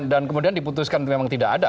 dan kemudian diputuskan memang tidak ada